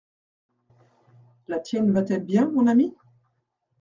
La tienne va-t-elle bien, mon ami ?